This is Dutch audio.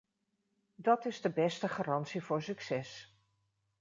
Dat is de beste garantie voor succes.